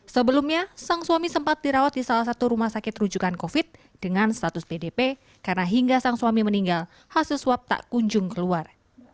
sebelumnya sang suami sempat dirawat di salah satu rumah sakit rujukan covid dengan status pdp karena hingga sang suami meninggal hasil swab tak kunjung keluar